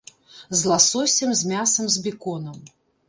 З ласосем, з мясам, з беконам.